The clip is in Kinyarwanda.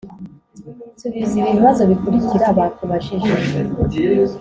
subiza ibi bibazo bikurikira bakubajije